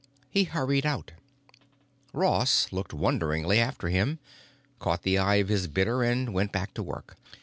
He hurried out. Ross looked wonderingly after him, caught the eye of his bidder, and went back to work.